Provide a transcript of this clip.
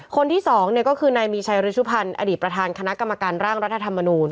คนที่๒ก็คือนายมีชัยริชุพันธ์อดีตประธานคณะกรรมการร่างรัฐธรรมนูล